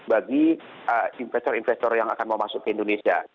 bagi investor investor yang akan mau masuk ke indonesia